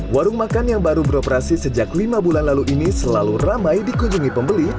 warung makan yang baru beroperasi sejak lima bulan lalu ini selalu ramai dikunjungi pembeli